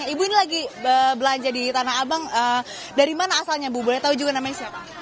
ibu ini lagi belanja di tanah abang dari mana asalnya ibu boleh tahu juga namanya siapa